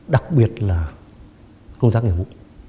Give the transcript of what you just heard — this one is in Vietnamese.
đặc biệt là công tác nghiệm vụ